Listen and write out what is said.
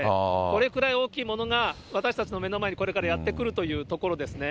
これくらい大きいものが、私たちの目の前にこれからやって来るというところですね。